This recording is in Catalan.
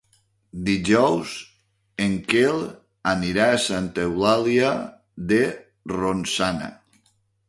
Dijous en Quel anirà a Santa Eulàlia de Ronçana.